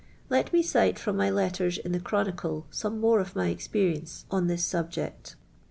Let mc cite from ray letters in the CiiiWih ie some more of my experience on this subject.